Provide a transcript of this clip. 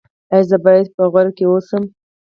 ایا زه باید په غور کې اوسم؟